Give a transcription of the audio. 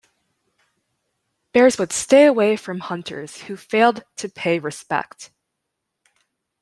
Bears would stay away from hunters who failed to pay respect.